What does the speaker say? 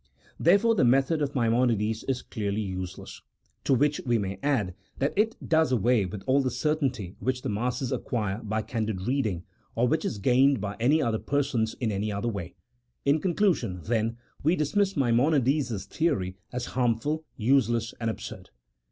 Therefore, the method of Maimonides is clearly useless : 118 A THEOLOGICO POLITICAL TREATISE. [CHAP. VII.. to which we may add, that it does away with all the cer tainty which the masses acquire by candid reading, or which is gained by any other persons in any other way. In conclusion, then, we dismiss Maimonides' theory as harmful, useless, and absurd.